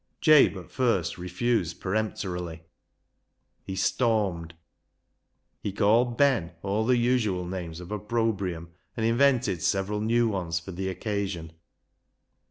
Jabe at first refused peremptorily. He stormed. He called Ben all the usual names of opprobrium, and invented several new ones for the occasion.